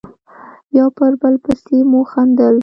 یو پر بل پسې مو خندل.